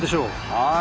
はい。